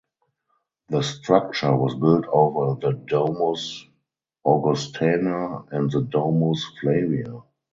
The structure was built over the Domus Augustana and the Domus Flavia.